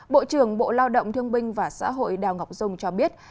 bộ trưởng bộ lao động thương binh và xã hội đào ngọc dung cho biết